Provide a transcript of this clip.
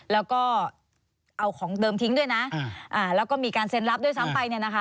แล้วก็เอาของเดิมทิ้งด้วยนะแล้วก็มีการเซ็นรับด้วยซ้ำไปเนี่ยนะคะ